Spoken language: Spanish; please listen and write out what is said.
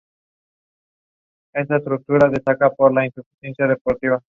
Dadas las características geográficas de la región se esperaría cierta variación dialectal.